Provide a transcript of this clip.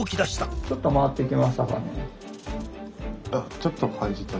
ちょっと回ってきましたかね？